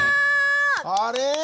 あれ？